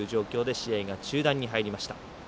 試合が中断に入りました。